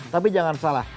tapi jangan salah